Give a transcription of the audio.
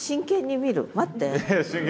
待って。